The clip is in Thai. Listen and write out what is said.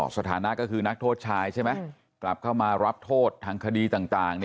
สถานะก็คือนักโทษชายใช่ไหมกลับเข้ามารับโทษทางคดีต่าง